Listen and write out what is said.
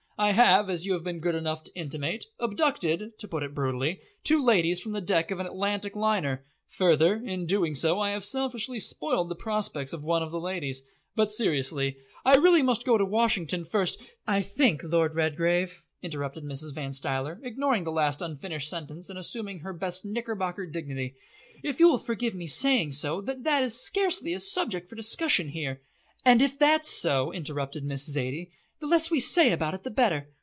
I have, as you have been good enough to intimate, abducted to put it brutally two ladies from the deck of an Atlantic liner. Further, in doing so I have selfishly spoiled the prospects of one of the ladies. But, seriously, I really must go to Washington first " "I think, Lord Redgrave," interrupted Mrs. Van Stuyler, ignoring the last unfinished sentence and assuming her best Knickerbocker dignity, "if you will forgive me saying so, that that is scarcely a subject for discussion here." "And if that's so," interrupted Miss Zaidie, "the less we say about it the better.